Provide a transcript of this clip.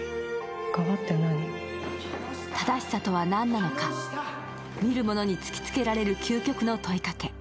正しさとは何なのか、見る者に突きつけられる究極の問いかけ。